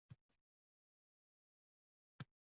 He, baloni qaytargan amaling qursin